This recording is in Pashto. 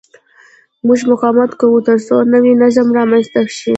موږ مقاومت کوو ترڅو نوی نظام رامنځته شي.